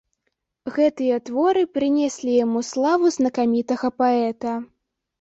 Гэтыя творы прынеслі яму славу знакамітага паэта.